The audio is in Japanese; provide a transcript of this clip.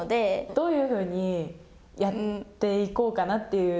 どういうふうにやっていこうかなという。